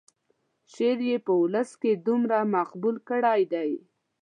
شعر یې په ولس کې دومره مقبول کړی دی.